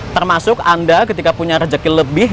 termasuk anda ketika punya rezeki lebih